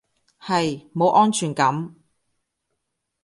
係，冇安全感